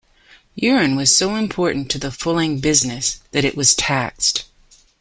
Urine was so important to the fulling business that it was taxed.